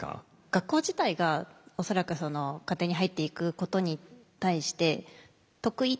学校自体が恐らく家庭に入っていくことに対して得意